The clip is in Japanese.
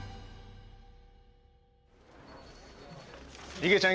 いげちゃん